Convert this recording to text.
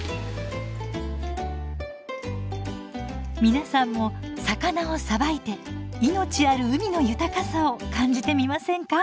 皆さんも魚をさばいて命ある海の豊かさを感じてみませんか？